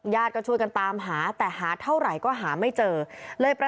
ญาติก็ช่วยกันตามหาแต่หาเท่าไหร่ก็หาไม่เจอเลยประ